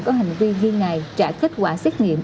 có hành vi ghi này trả kết quả xét nghiệm